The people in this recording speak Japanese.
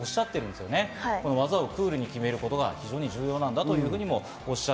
技をクールに決めることが重要だと。